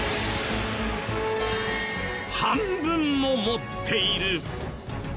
半分も持っている。